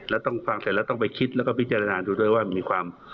แล้วต้องฟังเสร็จแล้วต้องไปคิดแล้วก็พิจารณาดูด้วยว่ามีความ